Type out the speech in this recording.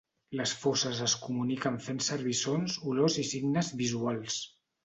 Les fosses es comuniquen fent servir sons, olors i signes visuals.